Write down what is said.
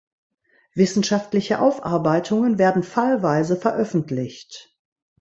Wissenschaftliche Aufarbeitungen werden fallweise veröffentlicht.